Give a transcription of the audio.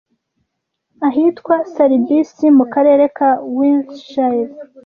ahitwa Salisbury mu karere ka Wiltshire